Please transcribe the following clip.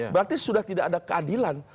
berarti sudah tidak ada keadilan